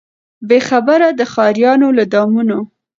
بې خبره د ښاریانو له دامونو